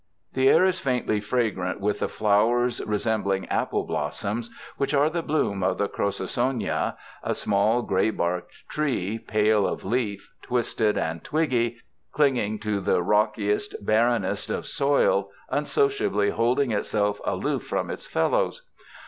The air is faintly fragrant witli the flow ers resembling apple blossoms which are the bloom of the crossosoma, a small, gray barked tree, pale of leaf, twisted and twiggy, clinging to the rockiest, barrenest of soil, unsociably holding itself aloof from its fellows.